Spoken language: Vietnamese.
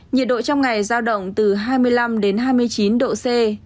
nhiệt độ trong ngày giao động từ hai mươi năm đến hai mươi chín độ c